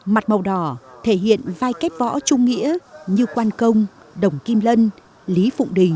mặt màu đỏ thể hiện vai kết võ trung nghĩa như quan công đồng kim lân lý phụng đình